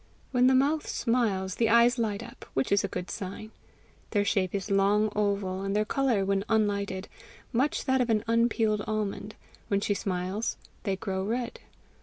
When the mouth smiles, the eyes light up, which is a good sign. Their shape is long oval and their colour when unlighted, much that of an unpeeled almond; when she smiles, they grow red.